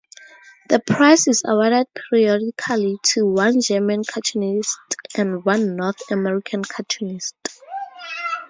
The prize is awarded periodically to one German cartoonist and one North American cartoonist.